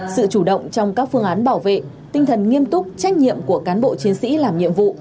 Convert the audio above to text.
sự chủ động trong các phương án bảo vệ tinh thần nghiêm túc trách nhiệm của cán bộ chiến sĩ làm nhiệm vụ